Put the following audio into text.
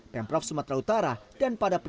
pemprov sumatera utara dan pada